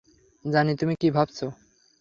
জানি তুমি কি ভাবছো।